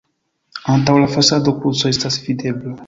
Antaŭ la fasado kruco estas videbla.